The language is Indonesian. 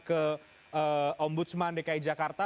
ke ombudsman dki jakarta